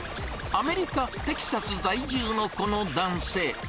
アメリカ・テキサス在住のこの男性。